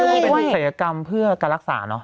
เป็นเสร็จกรรมเพื่อการรักษาเนอะ